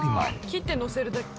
切ってのせるだけ？